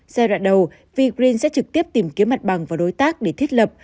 giai đoạn đầu vigreen sẽ trực tiếp tìm kiếm mặt bằng và đối tác để thiết lập